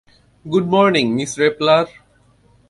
Good morning, miss রেপলার!